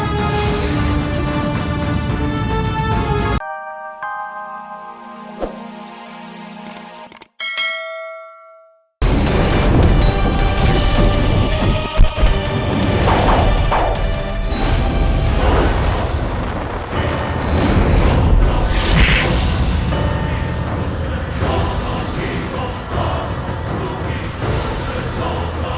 kenapa energinya datang secara tiba tiba